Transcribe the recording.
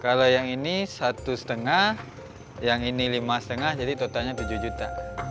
kalau yang ini satu lima yang ini lima lima jadi totalnya tujuh juta